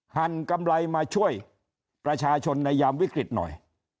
หั่นกำไรมาช่วยประชาชนในยามวิกฤตหน่อย